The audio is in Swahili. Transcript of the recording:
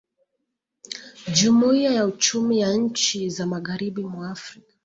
Jumuiya ya Uchumi ya Nchi za Magharibi mwa Afrika